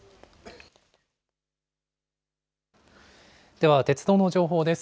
では鉄道の情報です。